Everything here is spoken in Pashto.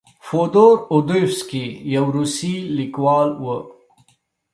فودور اودویفسکي یو روسي لیکوال و.